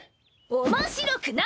面白くない！